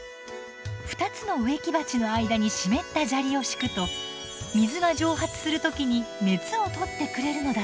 ２つの植木鉢の間に湿った砂利を敷くと水が蒸発する時に熱をとってくれるのだそう。